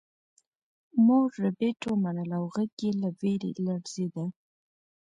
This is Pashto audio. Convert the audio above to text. مور ربیټ ومنله او غږ یې له ویرې لړزیده